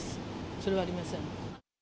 それはありません。